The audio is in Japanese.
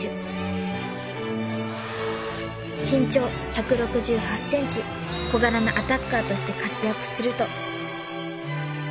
［身長１６８ｃｍ小柄なアタッカーとして活躍すると］